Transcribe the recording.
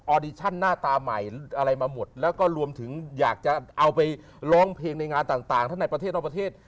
ดิชั่นหน้าตาใหม่อะไรมาหมดแล้วก็รวมถึงอยากจะเอาไปร้องเพลงในงานต่างทั้งในประเทศนอกประเทศ